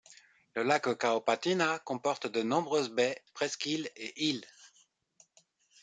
Le lac Caopatina comporte de nombreuses baies, presqu’îles et îles.